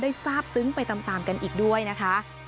ทราบซึ้งไปตามกันอีกด้วยนะคะ